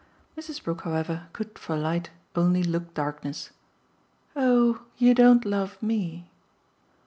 Mrs. Brook, however, could for light only look darkness. "Oh you don't love ME!"